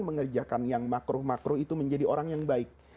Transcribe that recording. mengerjakan yang makruh makruh itu menjadi orang yang baik